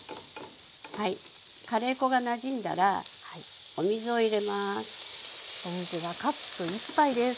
カレー粉がなじんだらお水を入れます。